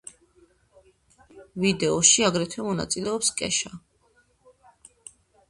ვიდეოში აგრეთვე მონაწილეობს კეშა.